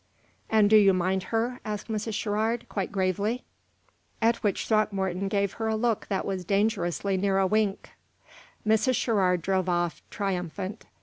"And do you mind her?" asked Mrs. Sherrard, quite gravely; at which Throckmorton gave her a look that was dangerously near a wink. Mrs. Sherrard drove off, triumphant.